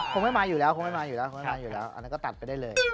คงไม่มาอยู่แล้วอันนั้นก็ตัดไปได้เลย